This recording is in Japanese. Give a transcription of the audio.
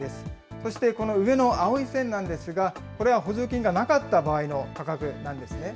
そしてこの上の青い線なんですが、これは補助金がなかった場合の価格なんですね。